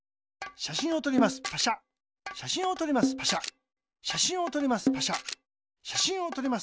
しゃしんをとります。